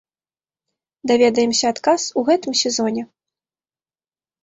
Даведаемся адказ у гэтым сезоне.